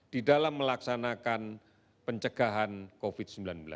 di dalam melaksanakan pencegahan covid sembilan belas